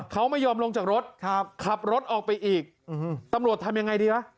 เขาไม่ยอมลงจากรถขับรถออกไปอีกตำรวจทำยังไงดีล่ะ